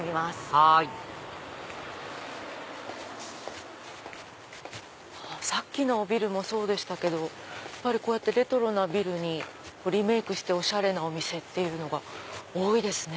はいさっきのビルもそうでしたけどこうやってレトロなビルにリメイクしておしゃれなお店っていうのが多いですね。